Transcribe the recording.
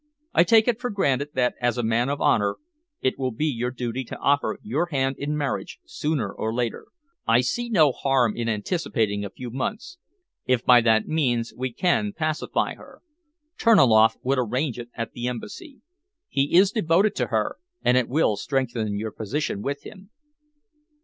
I take it for granted that as a man of honour it will be your duty to offer her your hand in marriage, sooner or later. I see no harm in anticipating a few months, if by that means we can pacify her. Terniloff would arrange it at the Embassy. He is devoted to her, and it will strengthen your position with him."